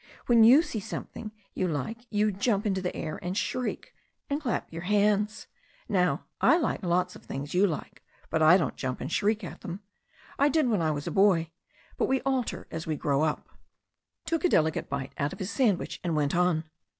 When you see something you like you jump into the air, and shriek, and clap your hands. Now, I like lots of things you like, but I don't jump and shriek at them. I did when I was a boy, but we alter as we grow up." He took a deliberate bite out of his sandwich and went on.